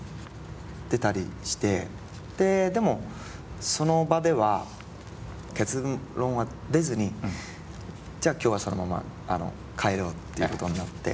でもその場では結論は出ずにじゃあ今日はそのまま帰ろうっていうことになって。